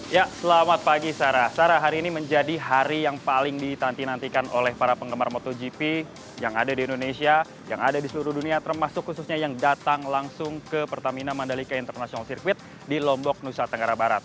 ya selamat pagi sarah sarah hari ini menjadi hari yang paling ditantikan oleh para penggemar motogp yang ada di indonesia yang ada di seluruh dunia termasuk khususnya yang datang langsung ke pertamina mandalika international circuit di lombok nusa tenggara barat